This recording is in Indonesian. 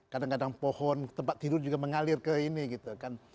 kadang kadang pohon tempat tidur juga mengalir ke ini gitu kan